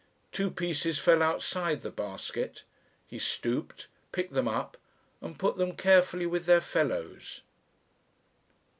Two pieces fell outside the basket. He stooped, picked them up, and put them carefully with their fellows.